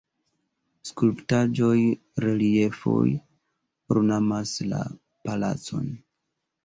Skulptaĵoj, reliefoj ornamas la palacon.